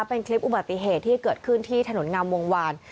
เป็นคลิปอุบัติเหตุที่เกิดขึ้นที่ถนนงามวงวาน